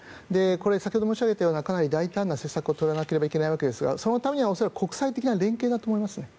これ、先ほど申し上げたようなかなり大胆な施策を取らなければいけないわけですがそのためには恐らく国際的な連携だと思いますね。